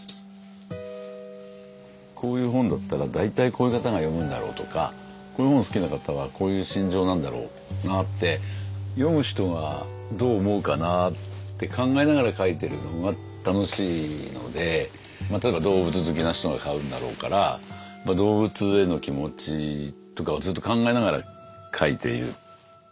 こういう本だったら大体こういう方が読むんだろうとかこういう本好きな方はこういう心情なんだろうなって例えば動物好きな人が買うんだろうから動物への気持ちとかをずっと考えながら書いている。